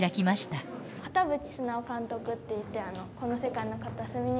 片渕須直監督っていって「この世界の片隅に」の。